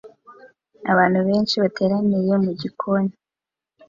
Abantu benshi bateraniye mu gikoni